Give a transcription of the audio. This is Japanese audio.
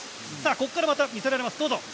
ここから、また見せられます。